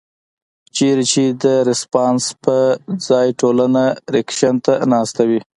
چرته چې د رسپانس پۀ ځائے ټولنه رېکشن ته ناسته وي